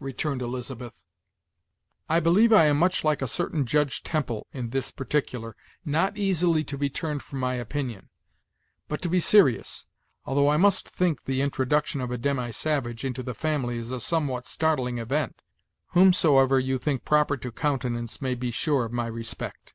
returned Elizabeth, "I believe I am much like a certain Judge Temple in this particular not easily to be turned from my opinion. But, to be serious, although I must think the introduction of a demi savage into the family a somewhat startling event, whomsoever you think proper to countenance may be sure of my respect."